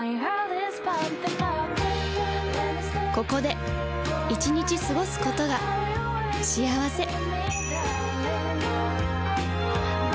ここで１日過ごすことが幸せ